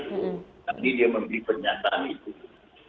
nanti dia membeli pernyataan itu